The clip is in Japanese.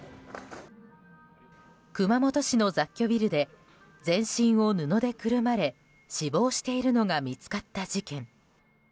熊本市の雑居ビルで全身を布でくるまれ死亡しているのが見つかった事件。